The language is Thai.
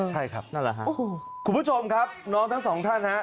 ใช่ครับโอ้โหคุณผู้ชมครับน้องทั้งสองท่านฮะ